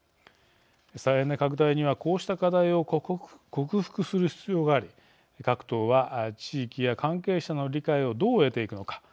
再エネ拡大には、こうした課題を克服する必要があり各党は、地域や関係者の理解をどう得ていくのか。